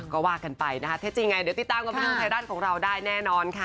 ก็ว่ากันไปนะคะเท็จจริงไงเดี๋ยวติดตามกับบันเทิงไทยรัฐของเราได้แน่นอนค่ะ